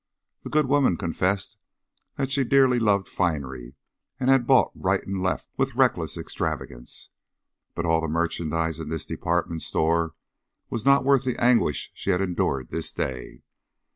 The good woman confessed that she dearly loved finery and had bought right and left with reckless extravagance, but all the merchandise in this department store was not worth the anguish she had endured this day.